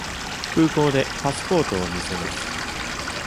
空港でパスポートを見せます。